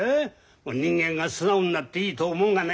人間が素直になっていいと思うがね。